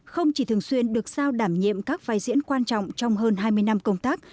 không chỉ thường xuyên được sao đảm nhiệm các vai diễn quan trọng trong hơn hai mươi năm công tác